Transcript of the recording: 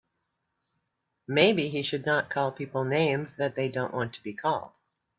Maybe he should not call people names that they don't want to be called.